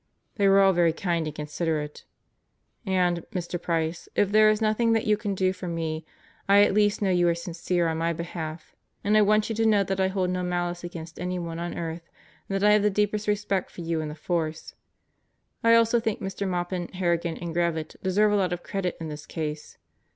They were all very kind and considerate; and Mr. Price, if there is nothing that you can do for me, I at least know you are sincere on my behalf, and I want you to know that I hold no malice against anyone on earth and that I have the deepest respect for you and the Force. I also think Mr. Maupin, Harrigan, and Gravitt deserve a lot of credit in this case.